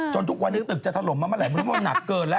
จนทุกวันนึงตึกจะถล่มมาเมื่อไหร่ไม่รู้ว่าหนักเกินแล้ว